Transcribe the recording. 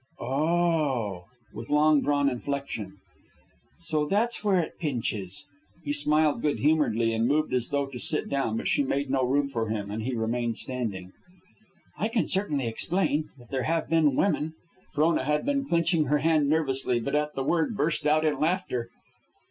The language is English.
"O o o," with long drawn inflection. "So that's where it pinches." He smiled good humoredly, and moved as though to sit down, but she made no room for him, and he remained standing. "I can certainly explain. If there have been women " Frona had been clinching her hand nervously, but at the word burst out in laughter.